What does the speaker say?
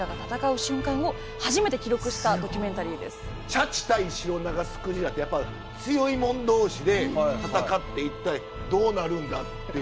シャチ対シロナガスクジラってやっぱ強いもん同士で闘って一体どうなるんだっていう。